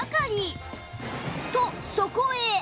とそこへ